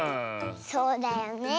そうだよねえ。